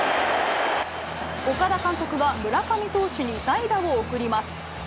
岡田監督は村上投手に代打を送ります。